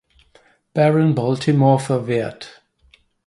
Baron Baltimore verwehrt.